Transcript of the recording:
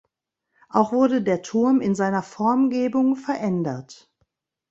Auch wurde der Turm in seiner Formgebung verändert.